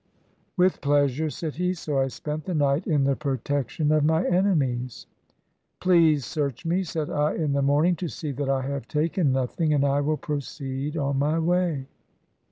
"With pleasure," said he. So I spent the night in the protection of my enemies. "Please search me," said I in the morning, "to see that I have taken nothing, and I will proceed on my way."